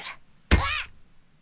・うわっ！